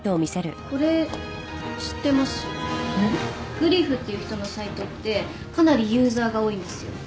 グリフっていう人のサイトってかなりユーザーが多いんですよ。